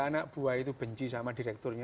anak buah itu benci sama direkturnya